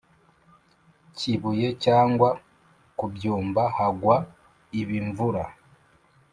kibuye cyangwa ku byumba hangwa ibimvura